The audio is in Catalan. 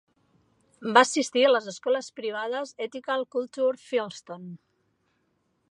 Va assistir a les escoles privades Ethical Culture Fieldston.